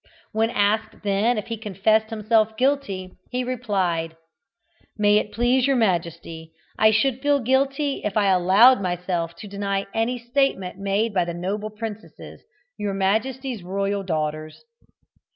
When asked if he then confessed himself guilty, he replied: "May it please your majesty, I should feel guilty if I allowed myself to deny any statement made by the noble princesses, your majesty's royal daughters."